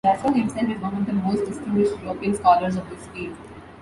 Jasper himself is one of the most distinguished European scholars of this field.